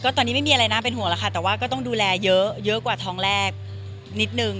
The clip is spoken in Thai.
ตอนนี้ไม่มีอะไรน่าเป็นห่วงแล้วค่ะแต่ว่าก็ต้องดูแลเยอะเยอะกว่าท้องแรกนิดนึง